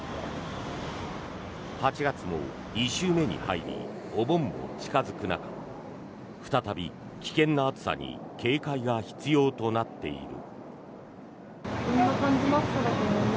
８月も２週目に入りお盆も近付く中再び危険な暑さに警戒が必要となっている。